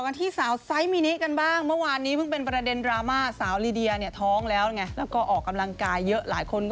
นี่มันมันเป็นแรงบันดาลใจใหญ่หลายคน